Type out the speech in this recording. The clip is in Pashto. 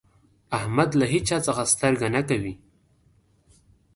احمد له هيچا څځه سترګه نه کوي.